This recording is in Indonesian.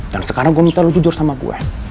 dan sekarang gue minta lo jujur sama gue